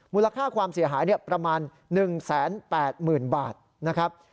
มูลค่าความเสียหายประมาณ๑๘๐๐๐บาทนะครับ